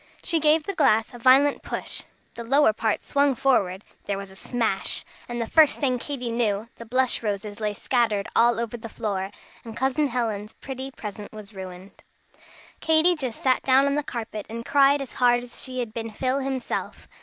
She gave the glass a violent push. The lower part swung forward, there was a smash, and the first thing Katy knew, the blush roses lay scattered all over the floor, and Cousin Helen's pretty present was ruined. Katy just sat down on the carpet and cried as hard as if she had been Phil himself.